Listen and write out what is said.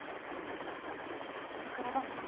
桜庭さん。